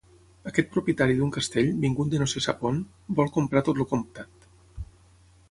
Aquest propietari d'un castell, vingut de no se sap on, vol comprar tot el comtat.